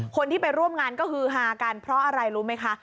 คนที่ไปร่วมงานก็ฮือฮากันเพราะอะไรรู้ไหมคะ